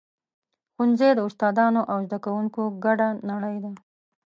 ښوونځی د استادانو او زده کوونکو ګډه نړۍ ده.